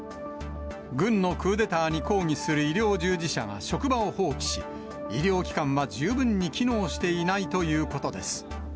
軍のクーデターに抗議する医療従事者が職場を放棄し、医療機関は十分に機能していないということです。